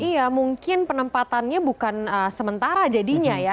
iya mungkin penempatannya bukan sementara jadinya ya